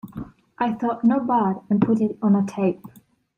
I thought, 'not bad,' and put it on a tape.